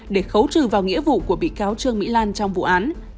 để khấu trừ vào nghĩa vụ của bị cáo trương mỹ lan trong vụ án